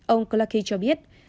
ông clarkey cho biết